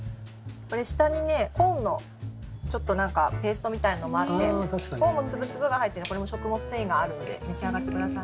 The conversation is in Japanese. これ下に、コーンのペーストみたいのもあってコーンも粒々が入ってるのでこれも食物繊維があるので召し上がってください。